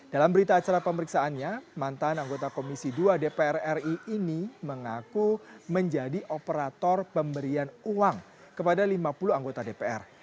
dalam berita acara pemeriksaannya mantan anggota komisi dua dpr ri ini mengaku menjadi operator pemberian uang kepada lima puluh anggota dpr